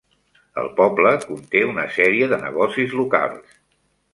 El poble conté una sèrie de negocis locals.